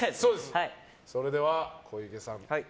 それでは小池さん